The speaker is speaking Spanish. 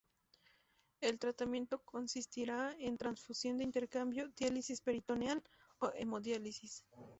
El tratamiento consistirá en transfusión de intercambio, diálisis peritoneal o hemodiálisis.